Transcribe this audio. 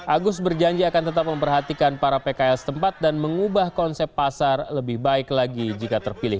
agus berjanji akan tetap memperhatikan para pkl setempat dan mengubah konsep pasar lebih baik lagi jika terpilih